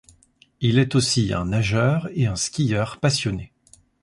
Il est aussi un nageur et un skieur passionné.